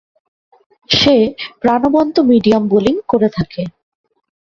সে প্রাণবন্ত medium bowling করে থাকে।